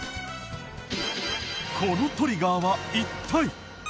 このトリガーは一体？